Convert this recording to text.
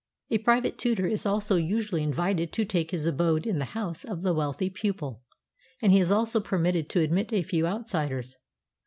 A private tutor is also usually invited to take his abode in the house of the wealthy pupil; and he is also permitted to admit a few outsiders.